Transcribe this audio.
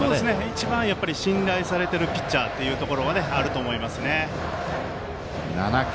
一番、信頼されているピッチャーっていうところがあると思いますね。